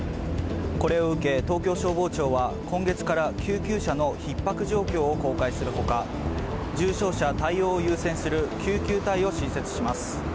これを受け、東京消防庁は今月から救急車のひっ迫状況を公開するほか重症者対応を優先する救急隊を新設します。